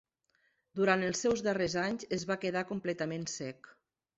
Durant els seus darrers anys es va quedar completament cec.